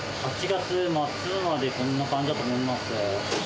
８月末までこんな感じだと思います。